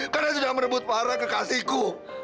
karena sudah merebut parah kekasihku